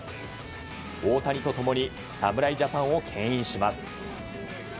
大谷と共に侍ジャパンを牽引します。